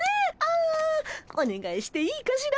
あおねがいしていいかしら？